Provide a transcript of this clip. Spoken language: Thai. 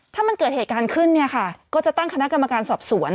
ถ้ามันเกิดเหตุการณ์ขึ้นเนี่ยค่ะก็จะตั้งคณะกรรมการสอบสวน